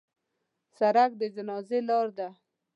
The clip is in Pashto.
سړک د جنازې لار ده.